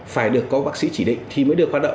phải được có bác sĩ chỉ định thì mới được hoạt động